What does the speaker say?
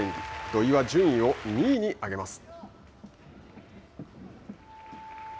土井は、順位を２位に上げます。